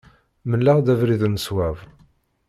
Mel-aɣ-d abrid n ṣṣwab.